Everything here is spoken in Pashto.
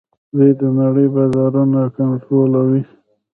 دوی د نړۍ بازارونه کنټرولوي.